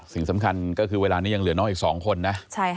สิ่งสำคัญก็คือเวลานี้ยังเหลือน้องอีก๒คนนะ